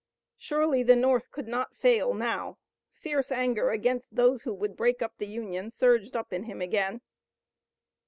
Surely the North could not fail now. Fierce anger against those who would break up the Union surged up in him again.